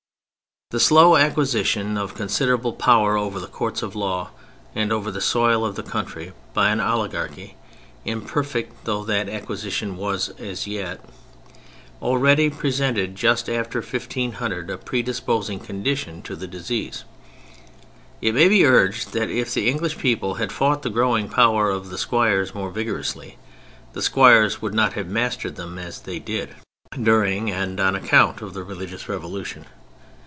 The slow acquisition of considerable power over the Courts of Law and over the soil of the country by an oligarchy, imperfect though that acquisition was as yet, already presented just after 1500 a predisposing condition to the disease. It may be urged that if the English people had fought the growing power of the Squires more vigorously, the Squires would not have mastered them as they did, during and on account of the religious revolution.